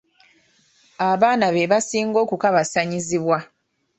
Abaana be basinga okukabassanyizibwa.